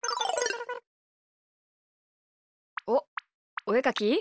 おっおえかき？